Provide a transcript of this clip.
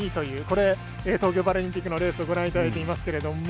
これ、東京パラリンピックのレースをご覧いただいていますけれども。